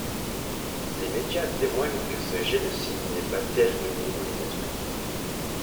Les médias témoignent que ce génocide n'est pas terminé dans les esprits.